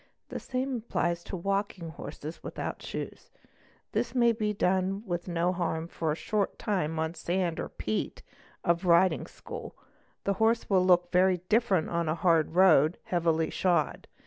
| The same applies to walking the horse without shoés; this may be done with no harm for a short time on the sand or peat of a riding school,—the horse will look very different on a hard road, heavily shod.